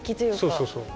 そうそうそう。